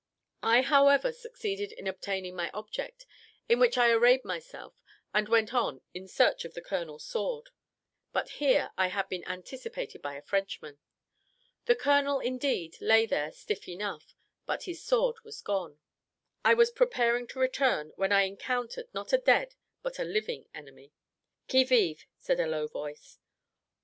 I, however, succeeded in obtaining my object; in which I arrayed myself, and went on in search of the colonel's sword; but here I had been anticipated by a Frenchman. The colonel, indeed, lay there, stiff enough, but his sword was gone. I was preparing to return, when I encountered, not a dead, but a living enemy. "Qui vive?" said a low voice.